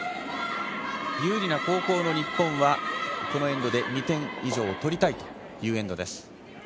有利な後攻の日本はこのエンドで２点以上取りたいというエンドです。